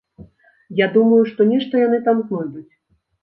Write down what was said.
Я думаю, што нешта яны там знойдуць.